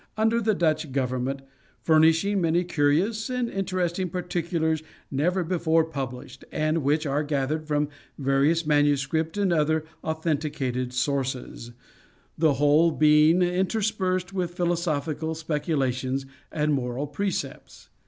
under the Dutch government, furnishing many curious and interesting particulars never before published, and which are gathered from various manuscript and other authenticated sources, the whole being interspersed with philosophical speculations and moral precepts.